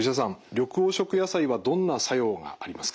緑黄色野菜はどんな作用がありますか？